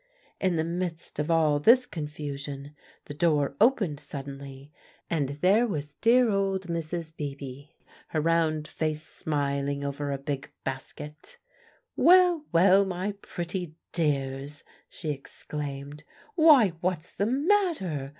In the midst of all this confusion the door opened suddenly, and there was dear old Mrs. Beebe, her round face smiling over a big basket. "Well, well, my pretty dears!" she exclaimed. "Why, what's the matter?